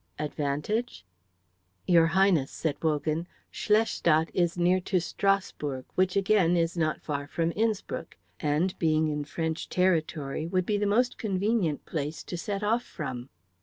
"Advantage?" "Your Highness," said Wogan, "Schlestadt is near to Strasbourg, which again is not far from Innspruck, and being in French territory would be the most convenient place to set off from."